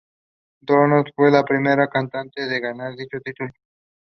He proposes to her again and they have emotional conversations.